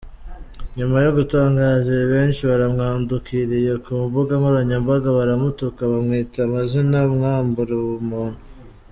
Nyuma yo gutangaza ibi, benshi baramwadukiriye ku mbuga nkoranyambaga baramutuka bamwita amazina amwambura ubumuntu.